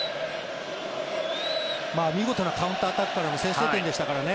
見事なカウンターアタックからの先制点でしたからね。